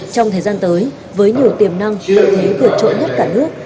trong thời gian tới với nhiều tiềm năng hữu thế tuyệt trộn nhất cả nước